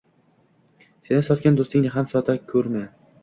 Seni sotgan dustingni ham sota kurma